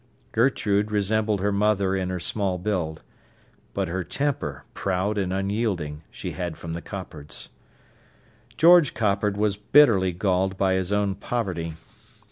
Gertrude resembled her mother in her small build. But her temper, proud and unyielding, she had from the Coppards. George Coppard was bitterly galled by his own poverty.